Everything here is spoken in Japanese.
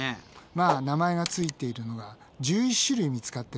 まあ名前がついているのが１１種類見つかってるね。